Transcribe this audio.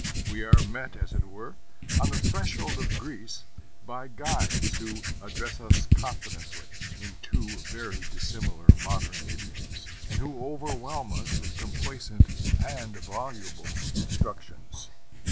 We are met, as it were, on the threshold of Greece by guides who address us confidently in two very dissimilar modern idioms, and who overwhelm us with complacent and voluble instructions.